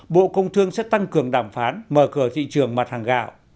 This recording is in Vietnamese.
bộ công thương sẽ tăng cường đàm phán mở cửa thị trường mặt hàng gạo